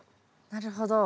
なるほど。